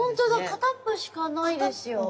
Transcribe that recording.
片っぽしかないですよ。